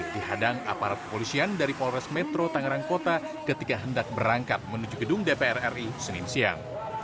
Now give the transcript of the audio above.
dihadang aparat kepolisian dari polres metro tangerang kota ketika hendak berangkat menuju gedung dpr ri senin siang